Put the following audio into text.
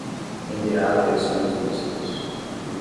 Tenderá a ter sonhos lúcidos